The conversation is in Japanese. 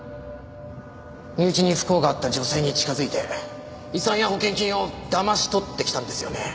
身内に不幸があった女性に近づいて遺産や保険金をだまし取ってきたんですよね。